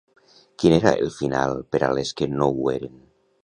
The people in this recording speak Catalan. Quin era el final per a les que no ho eren?